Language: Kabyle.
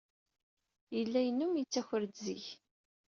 Yella yennum yettakkar-d zik.